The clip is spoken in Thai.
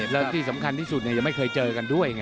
แล้วที่สำคัญที่สุดยังไม่เคยเจอกันด้วยไง